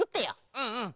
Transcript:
うんうん！